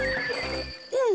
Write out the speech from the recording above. うん！